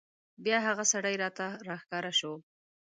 بیا هغه سړی راته راښکاره شو.